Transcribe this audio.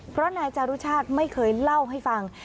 เพราะนายจารุชาติไม่เคยเล่าให้ฟัง